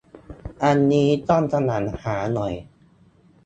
อันนี้ต้องขยันหาหน่อย